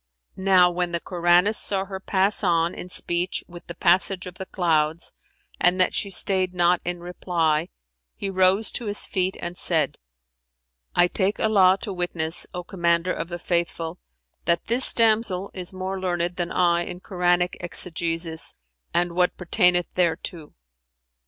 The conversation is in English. Now when the Koranist[FN#383] saw her pass on in speech with the passage of the clouds and that she stayed not in reply, he rose to his feet and said, "I take Allah to witness, O Commander of the Faithful, that this damsel is more learned than I in Koranic exegesis and what pertaineth thereto."